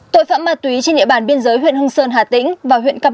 tội phạm ma túy trên địa bàn biên giới huyện hường sơn hà tĩnh